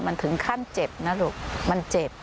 มันถึงขั้นเจ็บนะลูกมันเจ็บ